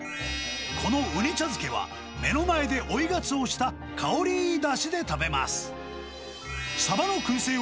このウニ茶漬けは、目の前で追いガツオした香りいいだしで食べます。